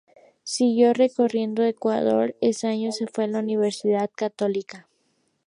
Siguió recorriendo Ecuador ese año se fue al Universidad Católica.